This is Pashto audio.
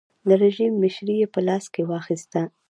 د رژیم مشري یې په لاس کې واخیسته.